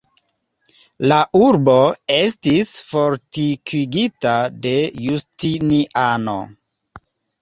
La urbo estis fortikigita de Justiniano.